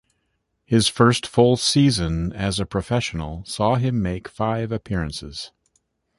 His first full season as a professional saw him make five appearances.